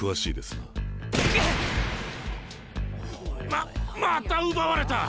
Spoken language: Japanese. ままた奪われた。